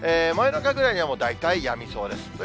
真夜中ぐらいには大体やみそうです。